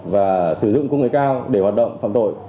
và sử dụng công nghệ cao để hoạt động phạm tội